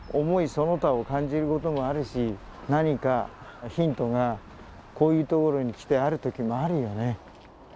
その他を感じることもあるし何かヒントがこういうところに来てある時もあるよね。